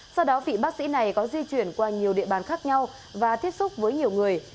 sau đó vị bác sĩ này có di chuyển qua nhiều địa bàn khác nhau và tiếp xúc với nhiều người